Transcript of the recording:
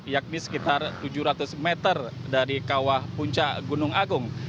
yakni sekitar tujuh ratus meter dari kawah puncak gunung agung